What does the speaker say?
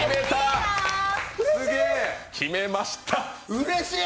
うれしい！